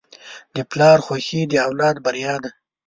د پلار خوښي د اولاد بریا ده.